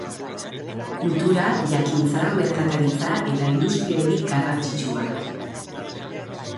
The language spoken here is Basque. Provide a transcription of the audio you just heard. Kultura, jakintza, merkataritza eta industria hiri garrantzitsua da.